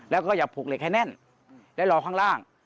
แล้วก็อย่าผูกเหล็กให้แน่นและรอข้างล่าง